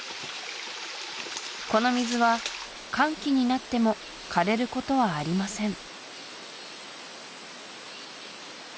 この水は乾季になってもかれることはありません